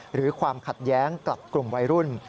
หรือความขัดแย้งกับกลุ่มวัยรุ่น